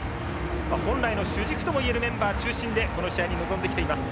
本来の主軸ともいえるメンバー中心でこの試合に臨んできています。